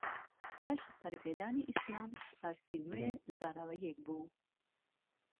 پاش پەرەپێدانی ئیسلام، فارسی نوێ زاراوەیەک بوو